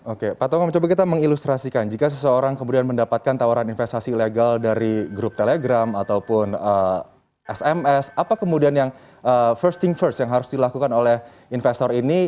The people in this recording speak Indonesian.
oke pak tongam coba kita mengilustrasikan jika seseorang kemudian mendapatkan tawaran investasi ilegal dari grup telegram ataupun sms apa kemudian yang first thing first yang harus dilakukan oleh investor ini